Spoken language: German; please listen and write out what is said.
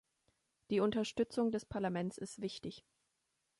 Die Unterstützung des Parlaments ist wichtig.